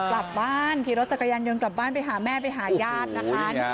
บาปบ้านพี่รถจักรยันยนต์กลับบ้านไปหาแม่ไปหายาดนะคะโอ้โฮนี่ค่ะ